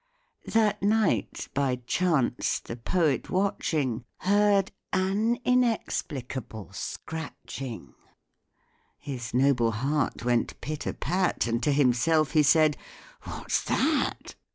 That night, by chance, the poet watching, Heard an inexplicable scratching; His noble heart went pit a pat, And to himself he said "What's that?"